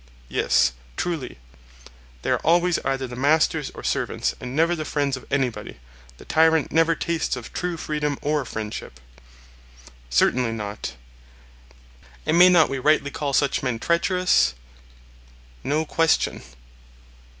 Yes, truly. They are always either the masters or servants and never the friends of anybody; the tyrant never tastes of true freedom or friendship. Certainly not. And may we not rightly call such men treacherous? No question.